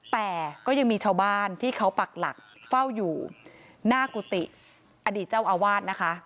แต่ก็ยังมีชาวบ้านที่เขาปักหลักเฝ้าอยู่หน้ากุฏิอดีตเจ้าอาวาสนะคะ